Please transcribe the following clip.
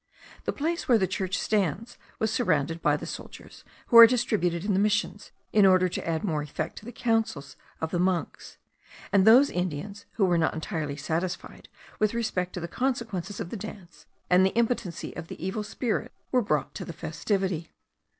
The place where the church stands was surrounded by the soldiers who are distributed in the missions, in order to add more effect to the counsels of the monks; and those Indians who were not entirely satisfied with respect to the consequences of the dance, and the impotency of the evil spirit, were brought to the festivity.